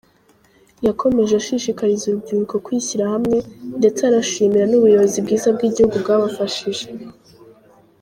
Yakomeje ashishikariza urubyiruko kwishyira hamwe, ndetse arashimira n’ubuyobozi bwiza bw’igihugu bwabafashije”.